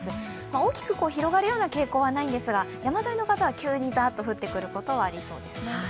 大きく広がるような傾向はないのですが、山沿いの方は急にざーっと降ってくることはありそうです。